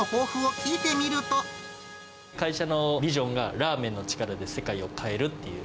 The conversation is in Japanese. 会社のビジョンが、ラーメンの力で世界を変えるっていう。